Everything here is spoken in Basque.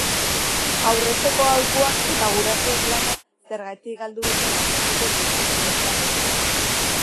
Aurrezteko aholkuak eta gurasoek lana zergatik galdu duten azalduko diete, besteak beste.